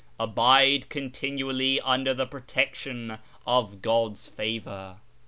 Abide continually under the protection of God's favour !